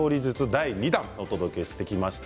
第２弾をお届けしました。